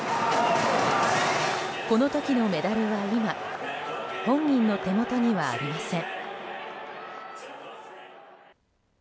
この時のメダルは今本人の手元にはありません。